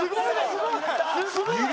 すごい！